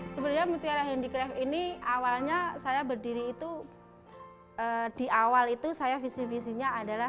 sebenarnya mutiara handicraft ini awalnya saya berdiri itu di awal itu saya visi visinya adalah